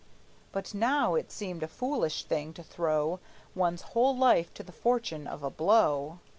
But now it seemed a foolish thing to throw One's whole life to the fortune of a blow.